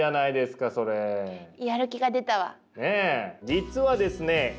実はですね